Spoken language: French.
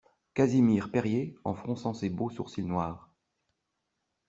Casimir Perier, en fronçant ses beaux sourcils noirs.